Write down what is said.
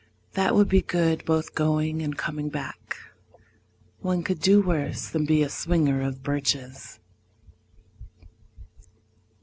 That would be good both going and coming back. One could do worse than be a swinger of birches.